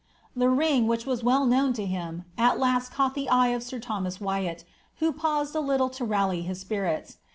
The ring, which was well known to him, at last caught the eye of si Thomas Wyatt, who paused a litde to rally his spirits.